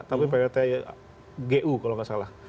tapi plt gu kalau nggak salah